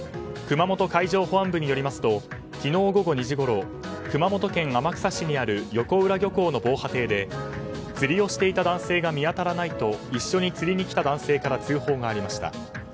熊本海上保安部によりますと昨日午後２時ごろ熊本県天草市にある横浦漁港の防波堤で釣りをしていた男性が見当たらないと一緒に釣りに来た男性から通報がありました。